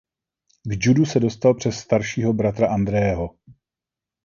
K judu se dostal přes staršího bratra Andrého.